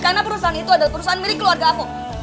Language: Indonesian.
karena perusahaan itu adalah perusahaan milik keluarga aku